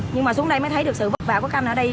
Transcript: nhưng mà xuống đây mới thấy được sự vất vả của căn ở đây